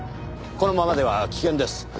このままでは危険です。